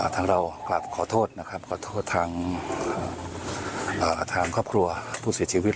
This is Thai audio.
ทางเรากลับขอโทษขอโทษทางครอบครัวผู้เสียชีวิต